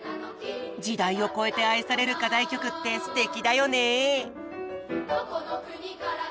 時代を超えて愛される課題曲ってすてきだよね！